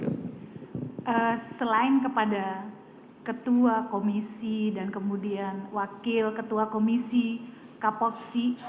selain kepada ketua komisi dan kemudian wakil ketua komisi kapoksi